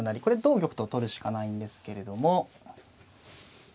これ同玉と取るしかないんですけれども。